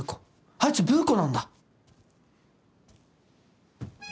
あいつブー子なんだ！